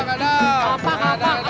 kelapa kelapa kelapa